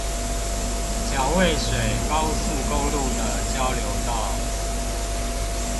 蔣渭水高速公路的交流道